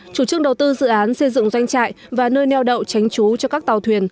chủ trương đầu tư dự án xây dựng doanh trại và nơi neo đậu tránh trú cho các tàu thuyền